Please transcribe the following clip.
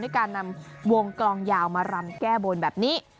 การนำวงกลองยาวมารำแก้บนแบบนี้